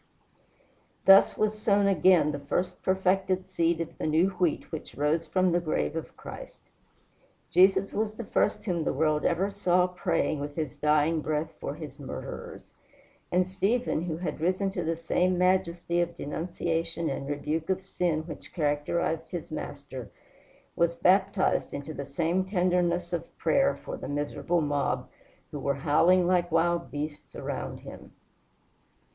Thus was sown again the first perfected seed of the new wheat which rose from the grave of Christ! Jesus was the first whom the world ever saw praying with his dying breath for his murderers; and Stephen, who had risen to the same majesty of denunciation and rebuke of sin which characterized his master, was baptized into the same tenderness of prayer for the miserable mob who were howling like wild beasts around him.